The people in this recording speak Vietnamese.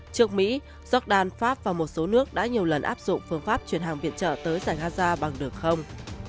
trước mỹ jordan pháp và một số nước đã nhiều lần áp dụng phương pháp chuyển hàng viện trợ tới giải gaza bằng đường không